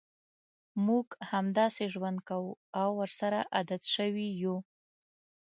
موږ همداسې ژوند کوو او ورسره عادت شوي یوو.